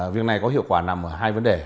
việc này có hiệu quả nằm ở hai vấn đề